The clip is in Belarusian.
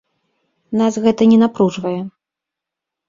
Нас гэта не напружвае.